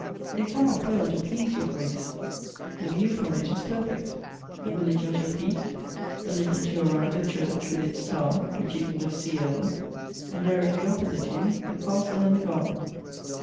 It cannot fail to please your grace. The view from it is perl'ect :— the village at youi feet ; a little to your right the church with its tower, which you can just see over ; and directly opposite you, the castle and the garden."